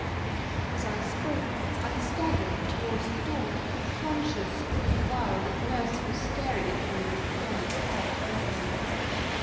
As I spoke, I staggered towards the door, conscious, all the while, that nurse was staring at me with eyes wide open.